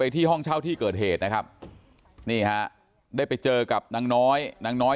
ที่ห้องเช่าที่เกิดเหตุนะครับนี่ฮะได้ไปเจอกับนางน้อยนางน้อย